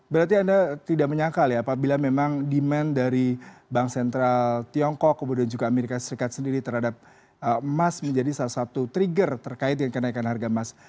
berarti anda tidak menyangkal ya apabila memang demand dari bank sentral tiongkok kemudian juga amerika serikat sendiri terhadap emas menjadi salah satu trigger terkait dengan kenaikan harga emas